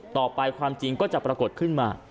ต่อไปความจริงก็จะปรากฏขึ้นมา